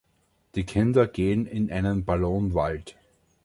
Die Kinder gehen in einen Ballonwald.